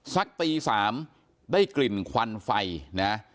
สักตี๓ได้กลิ่นควันไฟนะ